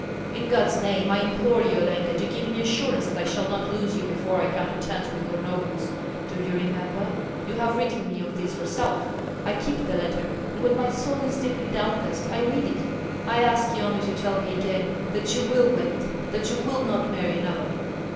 In God's name I implore you, Olenka, to give me assurance that I shall not lose you before I come to terms with your nobles. Do you remember? You have written me of this yourself. I keep the letter, and when my soul is deeply downcast I read it. I ask you only to tell me again that you will wait, that you will not marry another."